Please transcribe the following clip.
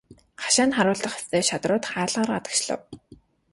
Хашаанд харуулдах ёстой шадрууд хаалгаар гадагшлав.